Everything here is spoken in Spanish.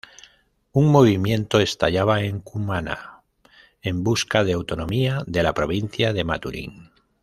Un movimiento estallaba en Cumaná en busca de autonomía de la provincia de Maturín.